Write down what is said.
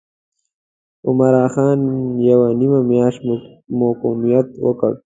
عمرا خان یوه نیمه میاشت مقاومت وکړ.